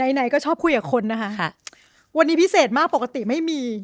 ไหนไหนก็ชอบคุยกับคนนะคะค่ะวันนี้พิเศษมากปกติไม่มี